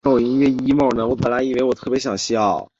帆布大多是用亚麻或麻制成。